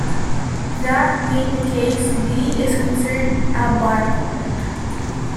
That being the case, D is considered a byproduct.